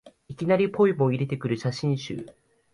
いきなりポエムを入れてくる写真集